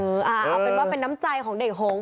เอาเป็นว่าเป็นน้ำใจของเด็กหง